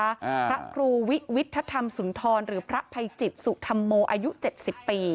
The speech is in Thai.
พระครูวิทธธรรมสุนทรหรือพระภัยจิตสุธรรมโมอายุเจ็ดสิบปี